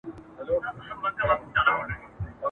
د کباب هره ټوته د زهرو جام وو ..